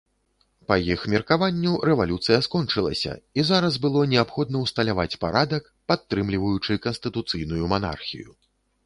Па іх меркаванню рэвалюцыя скончылася і зараз было неабходна ўсталяваць парадак, падтрымліваючы канстытуцыйную манархію.